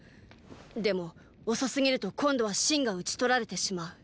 でも遅すぎると今度は信が討ち取られてしまう。